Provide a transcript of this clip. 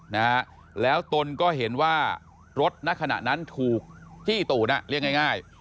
ตนตนก็เห็นว่ารถในขณะนั้นถูกที่ตูนเรียกง่าย